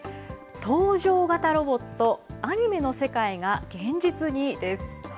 搭乗型ロボット、アニメの世界が現実にです。